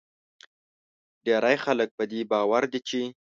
ډیری خلک په دې باور دي چې